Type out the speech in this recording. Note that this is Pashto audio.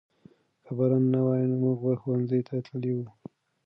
که باران نه وای موږ به ښوونځي ته تللي وو.